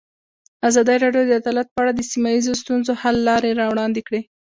ازادي راډیو د عدالت په اړه د سیمه ییزو ستونزو حل لارې راوړاندې کړې.